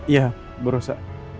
ya ibu rosa